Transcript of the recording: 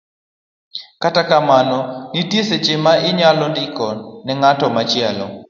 Kata kamano, nitie seche ma inyalo ndiko ne ng'at machielo,